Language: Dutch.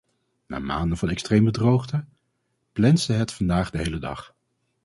Na maanden van extreme droogte, plensde het vandaag de hele dag.